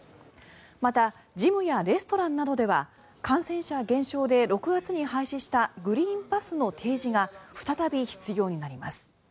また、ジムやレストランなどでは感染者減少で６月に廃止したグリーンパスの提示が再び必要になります。